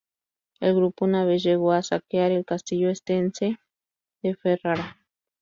El grupo una vez llegó a saquear el Castillo Estense de Ferrara.